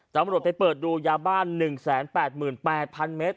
ตำรวจไปเปิดดูยาบ้าน๑๘๘๐๐เมตร